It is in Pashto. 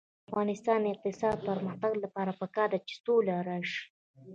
د افغانستان د اقتصادي پرمختګ لپاره پکار ده چې سوله راشي.